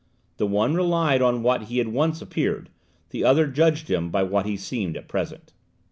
The one relied on what he had once appeared; the other judged him by what he seemed at present.